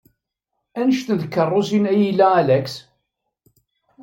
Anect n tkeṛṛusin ay ila Alex?